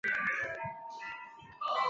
台湾血桐为大戟科血桐属下的一个种。